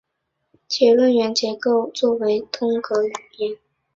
其论元结构为作通格语言。